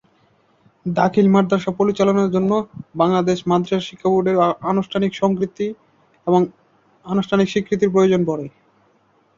দাখিল মাদ্রাসা পরিচালনার জন্য বাংলাদেশ মাদরাসা শিক্ষা বোর্ডের আনুষ্ঠানিক স্বীকৃতির প্রয়োজন পড়ে।